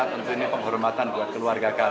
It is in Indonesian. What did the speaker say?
tentu ini penghormatan buat keluarga kami